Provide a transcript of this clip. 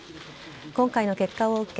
今回の結果を受け